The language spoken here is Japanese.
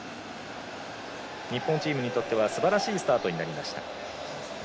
日本チームにとってはすばらしいスタートになりました。